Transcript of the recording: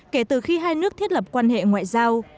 kể từ khi hai nước thiết lập quan hệ ngoại giao